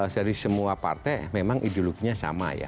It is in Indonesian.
dari semua partai memang ideologinya sama ya